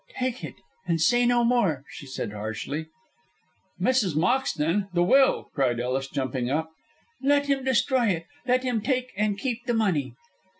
"Take it, and say no more," she said harshly. "Mrs. Moxton! The will!" cried Ellis, jumping up. "Let him destroy it! Let him take and keep the money!"